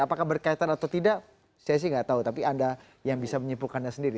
apakah berkaitan atau tidak saya sih nggak tahu tapi anda yang bisa menyimpulkannya sendiri